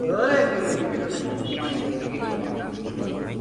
গ্রামের অনেক লোক ইউরোপ, মার্কিন যুক্তরাষ্ট্র ও মধ্যপ্রাচ্যে প্রবাসী।